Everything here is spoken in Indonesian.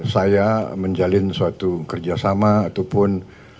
saya menjalin suatu kerjasama ataupun